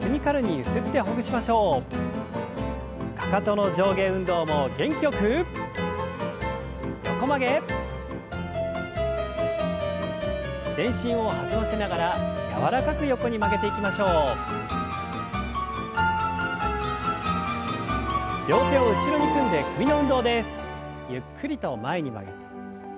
ゆっくりと前に曲げて。